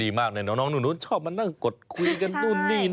ดีมากน้องหนูชอบมานั่งกดคุยกันนู่นนี่นั่ง